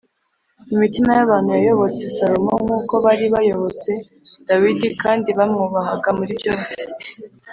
imitima y’abantu yayobotse salomo nk’uko bari barayobotse dawidi, kandi bamwubahaga muri byose.